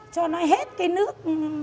cho nó hết cái nước